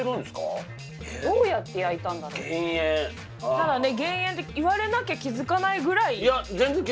ただね減塩って言われなきゃ気づかないぐらい。